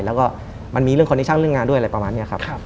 แล้วก็มันมีเรื่องคอนิชชั่นเรื่องงานด้วยอะไรประมาณนี้ครับ